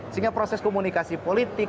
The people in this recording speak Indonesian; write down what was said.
sehingga proses komunikasi politik